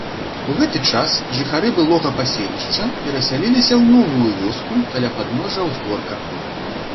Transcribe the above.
У гэты час жыхары былога паселішча перасяліліся ў новую вёску каля падножжа ўзгорка.